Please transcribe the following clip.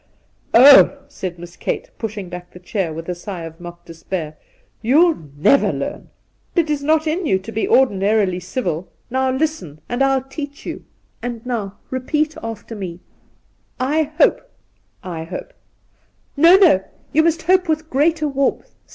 Oh,' said Miss Kate, pushing back her chair with a sigh of mock despair, * you'll never learn ! It is not in you to be ordinarily civil. Now listen, and I'll teach you ; and now repeat after me :" I hope "'' I hope '' No, no' ! You must hope with greater warmth.